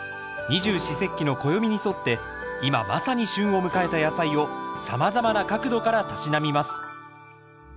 二十四節気の暦に沿って今まさに旬を迎えた野菜をさまざまな角度からたしなみます。